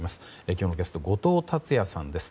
今日のゲスト後藤達也さんです。